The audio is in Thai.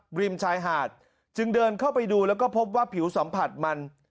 ริมชายหาดจึงเดินเข้าไปดูแล้วก็พบว่าผิวสัมผัสมัน